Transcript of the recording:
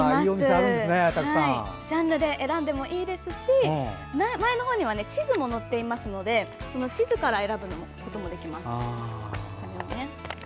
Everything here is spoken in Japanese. ジャンルで選んでもいいですし前の方には地図も載っていますので地図から選ぶこともできます。